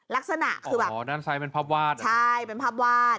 ลักษณะคือแบบใช่เป็นภาพวาด